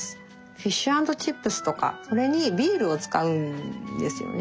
フィッシュ＆チップスとかそれにビールを使うんですよね。